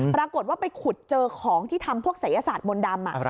ปรากฏว่าไปขุดเจอของที่ทำพวกศัยศาสตร์มนต์ดำ